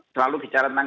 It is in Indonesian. selalu bicara tentang